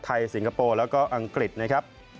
สิงคโปร์แล้วก็อังกฤษนะครับ